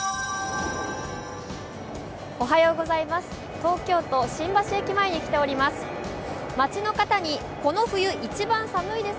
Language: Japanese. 東京都・新橋駅前に来ています。